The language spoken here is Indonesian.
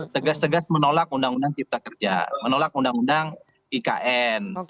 tegas tegas menolak undang undang cipta kerja menolak undang undang ikn